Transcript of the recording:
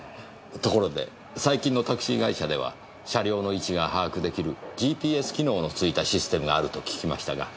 ところで最近のタクシー会社では車両の位置が把握できるＧＰＳ機能の付いたシステムがあると聞きましたが。